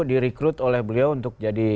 direkrut oleh beliau untuk jadi